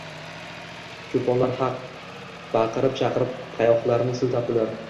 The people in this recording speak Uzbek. Cho’ponlar baqi- rib-chaqirib tayoqlarini siltabdilar